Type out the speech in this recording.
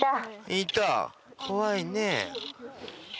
いた怖いね。